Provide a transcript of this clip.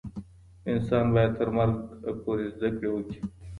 انسان باید تر مرګ پورې زده کړه وکړي.